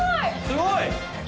すごい！